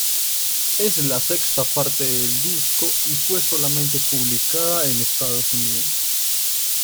Es la sexta parte del disco y fue solamente publicada en Estados Unidos.